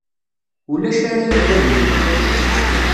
Ulac ara yagad yiwen.